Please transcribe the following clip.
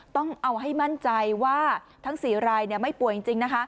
ต้องเอาให้มั่นใจว่าทั้ง๔รายไม่ป่วยจริงนะคะ